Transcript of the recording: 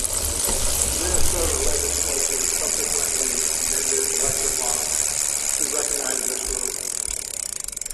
The Minnesota Legislature subsequently amended election law to recognize this ruling.